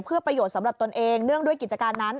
เพื่อประโยชน์สำหรับตนเองเนื่องด้วยกิจการนั้น